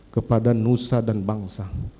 kepada nusa dan bangsa